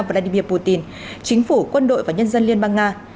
vladimir putin chính phủ quân đội và nhân dân liên bang nga